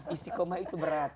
istikomah itu berat